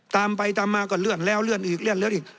ตามไปตามมาก็เลื่อนแล้วเลื่อนอีกเลื่อนแล้วอีก